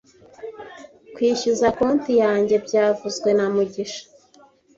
Kwishyuza konti yanjye byavuzwe na mugisha